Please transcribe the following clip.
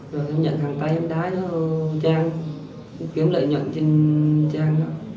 rồi em nhận hàng tay em đá cho trang kiếm lợi nhận trên trang đó